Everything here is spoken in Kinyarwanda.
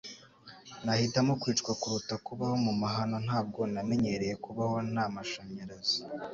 Nahitamo kwicwa kuruta kubaho mu mahano Ntabwo namenyereye kubaho nta mashanyarazi.